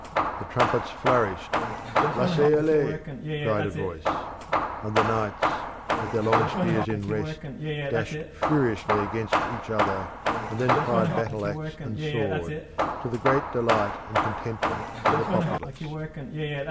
The trumpets flourished: "Laissez aller!" cried a voice; and the knights, with their long spears in rest, dashed furiously against each other, and then plied battle axe and sword, to the great delight and contentment of the populace.